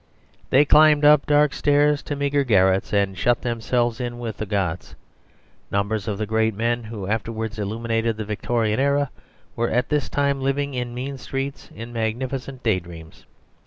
They climbed up dark stairs to meagre garrets, and shut themselves in with the gods. Numbers of the great men, who afterwards illuminated the Victorian era, were at this time living in mean streets in magnificent daydreams.